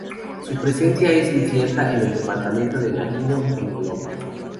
Su presencia es incierta en el departamento de Nariño en Colombia.